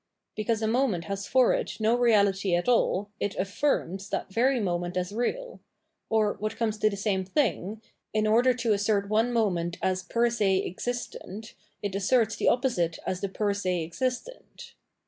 Because a moment has for it no reality at all, it affirms that very moment as real : or, what comes to the same thing, in order to assert one moment as per se existent, it asserts the opposite as the per se existent.